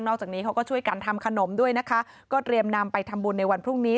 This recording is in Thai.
จากนี้เขาก็ช่วยกันทำขนมด้วยนะคะก็เตรียมนำไปทำบุญในวันพรุ่งนี้